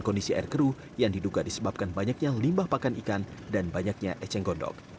kondisi air keruh yang diduga disebabkan banyaknya limbah pakan ikan dan banyaknya eceng gondok